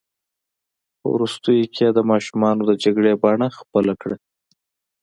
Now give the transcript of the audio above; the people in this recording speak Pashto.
په وروستیو کې یې د ماشومانو د جګړې بڼه خپله کړه.